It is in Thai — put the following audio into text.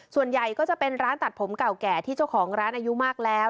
ส่วนใหญ่ก็จะเป็นร้านตัดผมเก่าแก่ที่เจ้าของร้านอายุมากแล้ว